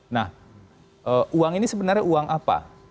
nah uang ini sebenarnya uang apa